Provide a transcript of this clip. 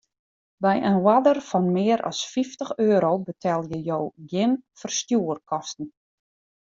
By in oarder fan mear as fyftich euro betelje jo gjin ferstjoerskosten.